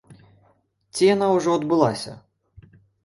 Ці яна ўжо адбылася?